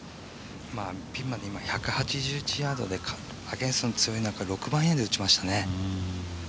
ピンまで１８１ヤードでアゲンストが強い中、６番アイアンで打ちましたね。